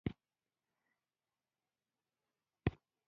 ما د کور او دفتر د ډیکوریشن لپاره زینتي شیان واخیستل.